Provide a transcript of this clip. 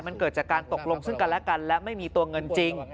มันเกิดจากการตกลงซึ่งกันและกันและไม่มีตัวเงินจริง